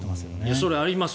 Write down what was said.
それはありますよ